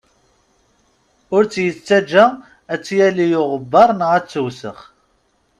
Ur tt-yettaǧǧa ad tt-yali uɣebbar neɣ ad tewsex.